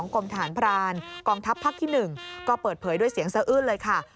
กรมทหารพรานกองทัพภาคที่๑ก็เปิดเผยด้วยเสียงสะอื้นเลยค่ะ